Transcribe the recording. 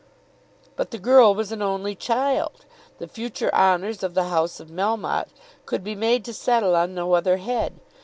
But the girl was an only child. The future honours of the house of Melmotte could be made to settle on no other head.